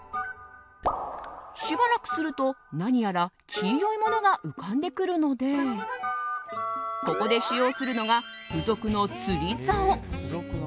しばらくすると、何やら黄色いものが浮かんでくるのでここで使用するのが付属の釣りざお。